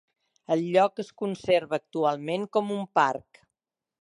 El lloc es conserva actualment com un parc.